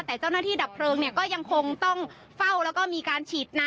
แต่เจ้าหน้าที่ดับเพลิงเนี่ยก็ยังคงต้องเฝ้าแล้วก็มีการฉีดน้ำ